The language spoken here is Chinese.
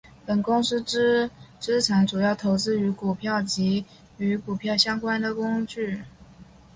本公司之资产主要投资于股票及与股票相关之工具。